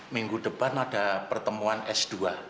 minggu depan ada pertemuan s dua